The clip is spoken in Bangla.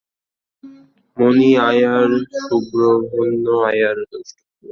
মণি আয়ার সুব্রহ্মণ্য আয়ার দ্রষ্টব্য।